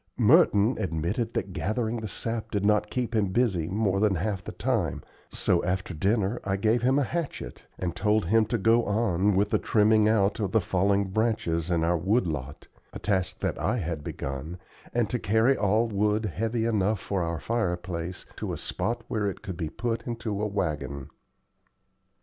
Merton admitted that gathering the sap did not keep him busy more than half the time; so after dinner I gave him a hatchet, and told him to go on with the trimming out of the fallen branches in our wood lot a task that I had begun and to carry all wood heavy enough for our fireplace to a spot where it could be put into a wagon.